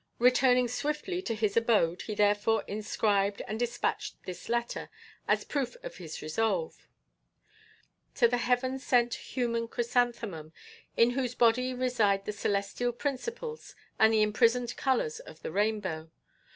Returning swiftly to his abode, he therefore inscribed and despatched this letter, in proof of his resolve: "To the Heaven sent human chrysanthemum, in whose body reside the Celestial Principles and the imprisoned colours of the rainbow.